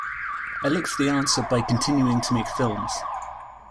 I look for the answer by continuing to make films.